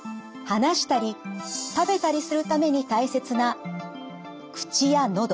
話したり食べたりするために大切な口や喉。